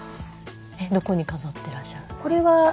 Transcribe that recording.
どこに飾ってらっしゃるんですか？